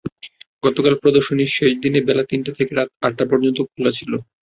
গতকাল প্রদর্শনীর শেষ দিনে বেলা তিনটা থেকে রাত আটটা পর্যন্ত খোলা ছিল।